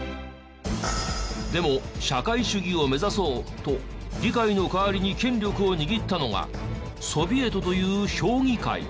でも社会主義を目指そうと議会の代わりに権力を握ったのがソビエトという評議会。